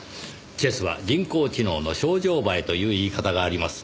「チェスは人工知能のショウジョウバエ」という言い方があります。